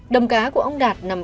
đầm cá của ông đạt nằm